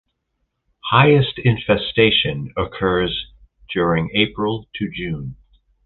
Highest infestation occurs during April to June.